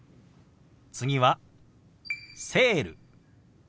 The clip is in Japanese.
次は「セール」。